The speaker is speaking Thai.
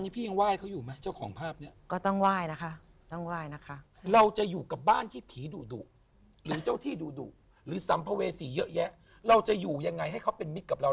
ปูยังไงให้เขาเป็นมิตรกับเรา